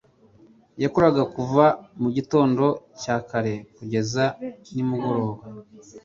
yakoraga kuva mu gitondo cya kare kugeza nimugoroba.